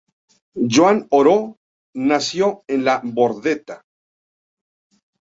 Joan Oró nació en La Bordeta.